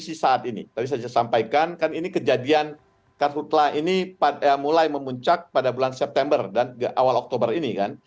kondisi saat ini tadi saya sampaikan kan ini kejadian kartu telah ini mulai memuncak pada bulan september dan awal oktober ini kan